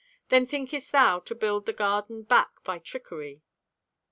Then thinkest thou To build the garden back by trickery?